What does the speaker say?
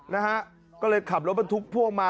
นะฮะก็เลยขับรถบรรทุกพ่วงมา